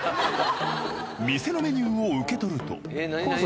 店のメニューを受け取るとコース